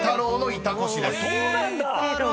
そうなんだ！